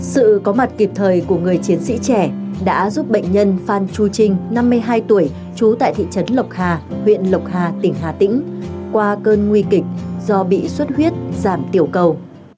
sự có mặt kịp thời của người chiến sĩ trẻ đã giúp bệnh nhân phan chu trinh năm mươi hai tuổi trú tại thị trấn lộc hà huyện lộc hà tỉnh hà tĩnh qua cơn nguy kịch do bị suất huyết giảm tiểu cầu